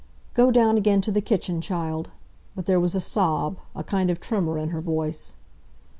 "Go down again to the kitchen, child"; but there was a sob, a kind of tremor in her voice.